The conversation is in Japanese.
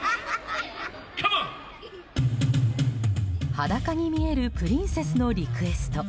裸に見えるプリンセスのリクエスト。